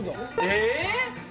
えっ！？